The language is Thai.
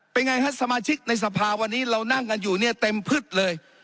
เป็นไงฮะสมาชิกในสภาวันนี้เรานั่งกันอยู่เนี่ยเต็มพึดเลย